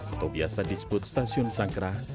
atau biasa disebut stasiun sangkrah